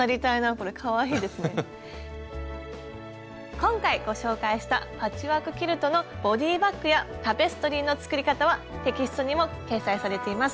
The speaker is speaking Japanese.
今回ご紹介したパッチワークキルトのボディーバッグやタペストリーの作り方はテキストにも掲載されています。